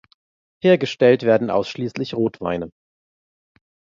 Hergestellt werden ausschließlich Rotweine.